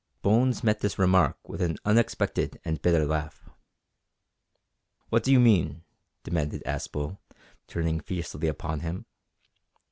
Bones met this remark with an unexpected and bitter laugh. "What d'you mean?" demanded Aspel, turning fiercely upon him.